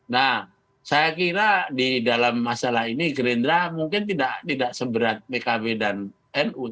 nah saya kira di dalam masalah ini gerindra mungkin tidak seberat pkb dan nu